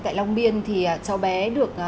tại long biên thì cháu bé được